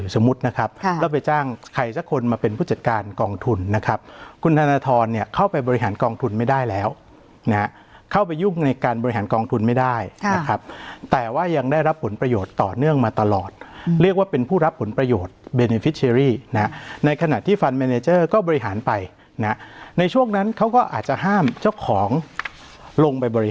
สมมุตินะครับแล้วไปจ้างใครสักคนมาเป็นผู้จัดการกองทุนนะครับคุณธนทรเนี่ยเข้าไปบริหารกองทุนไม่ได้แล้วนะฮะเข้าไปยุ่งในการบริหารกองทุนไม่ได้นะครับแต่ว่ายังได้รับผลประโยชน์ต่อเนื่องมาตลอดเรียกว่าเป็นผู้รับผลประโยชน์เบเนฟิเชอรี่นะในขณะที่ฟันเมเนเจอร์ก็บริหารไปนะในช่วงนั้นเขาก็อาจจะห้ามเจ้าของลงไปบริ